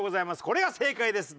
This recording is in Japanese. これが正解です。